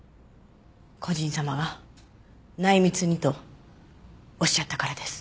故人様が内密にとおっしゃったからです。